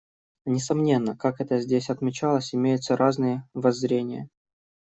Несомненно, как это здесь отмечалось, имеются разные воззрения.